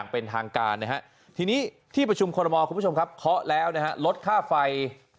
เป็นทางการทีนี้ที่ประชุมขอรัมอคุณผู้ชมเค้าะแล้วนะฮะลดค่าไฟ